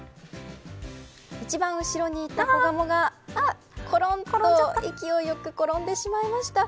一番後ろにいた子ガモがころんと勢いよく転んでしまいました。